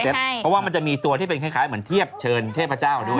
เพราะว่ามันจะมีตัวที่เป็นคล้ายเหมือนเทียบเชิญเทพเจ้าด้วย